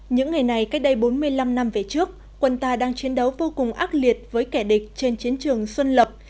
những ngày này cách đây bốn mươi năm năm về trước quân ta đang chiến đấu vô cùng ác liệt với kẻ địch trên chiến trường xuân lộc